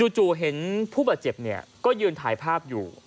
จู่เห็นผู้บาดเจ็บก็ยืนถ่ายภาพอยู่